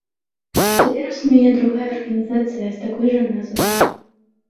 Цяпер існуе другая арганізацыя з такой жа назвай.